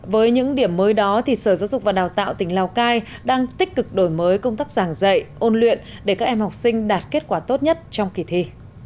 với những điểm mới đó thì sở giáo dục và đào tạo tỉnh lào cai đang tích cực đổi mới công tác giảng dạy ôn luyện để các em học sinh đạt kết quả tốt nhất trong kỳ thi